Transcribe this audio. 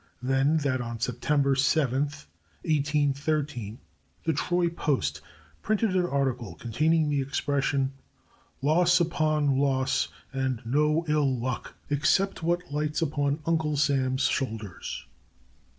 Then that on September 7, 1813, the Troy Post printed an article containing the expression "Loss upon loss, and no ill luck … except what lights upon UNCLE SAM'S shoulders."